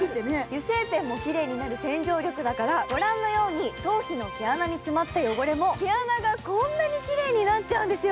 油性ペンもきれいになる洗浄力だから、ご覧のように頭皮の毛穴に詰まった汚れも毛穴がこんなにきれいなっちゃうんですよ。